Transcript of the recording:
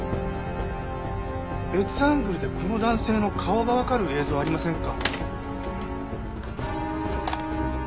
別アングルでこの男性の顔がわかる映像ありませんか？